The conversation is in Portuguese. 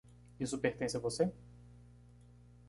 Isso pertence a você?